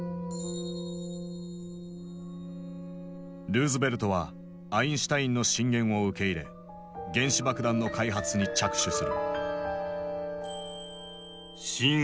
ルーズベルトはアインシュタインの進言を受け入れ原子爆弾の開発に着手する。